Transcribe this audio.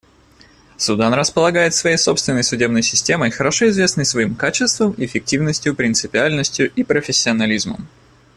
Судан располагает своей собственной судебной системой, хорошо известной своим качеством, эффективностью, принципиальностью и профессионализмом.